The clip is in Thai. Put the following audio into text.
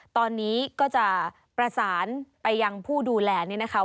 ตอนนี้ก็จะประสานไปยังผู้ดูแลนี่นะคะ